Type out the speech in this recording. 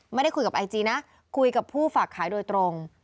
ไม่ได้คุยกับไอจีนะคุยกับผู้ฝากขายโดยตรง